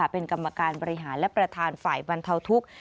เป็นกรรมการบริหารและประธานฝ่ายบรรเทาทุกข์